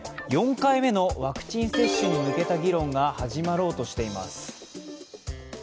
４回目のワクチン接種に向けた議論が始まろうとしています。